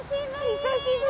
久しぶり！